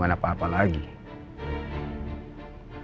kau tidak bekerja dengan nia